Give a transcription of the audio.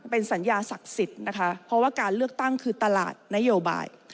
เป็นสัญญาศักดิ์สิทธิ์นะคะเพราะว่าการเลือกตั้งคือตลาดนโยบาย